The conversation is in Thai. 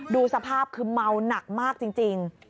ดูสภาพคือเมาหนักมากจริง